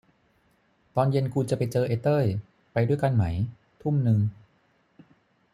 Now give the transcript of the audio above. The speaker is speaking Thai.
ตอนเย็นกูจะไปเจอไอ้เต้ย ไปด้วยกันไหม ทุ่มนึง